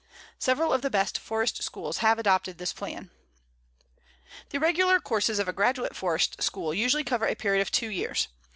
Several of the best forest schools have adopted this plan. The regular courses of a graduate forest school usually cover a period of two years.